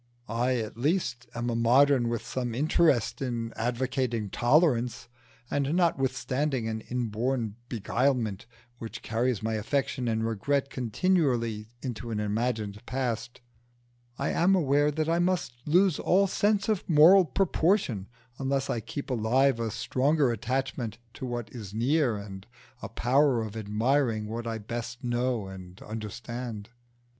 I at least am a modern with some interest in advocating tolerance, and notwithstanding an inborn beguilement which carries my affection and regret continually into an imagined past, I am aware that I must lose all sense of moral proportion unless I keep alive a stronger attachment to what is near, and a power of admiring what I best know and understand.